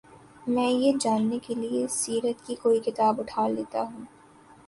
میں یہ جاننے کے لیے سیرت کی کوئی کتاب اٹھاتا ہوں۔